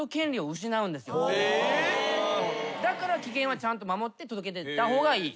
だから期限はちゃんと守って届け出た方がいい。